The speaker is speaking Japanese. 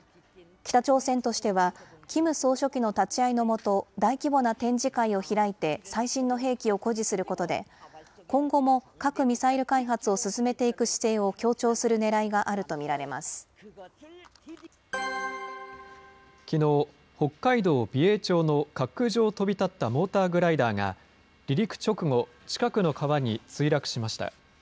北朝鮮としては、キム総書記の立ち会いの下、大規模な展示会を開いて最新の兵器を誇示することで、今後も核・ミサイル開発を進めていく姿勢を強調するねらいがあるきのう、北海道美瑛町の滑空場を飛び立ったモーターグライダーが、離陸直後、近くの川に墜落しました。